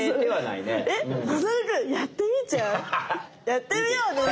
いってみよう！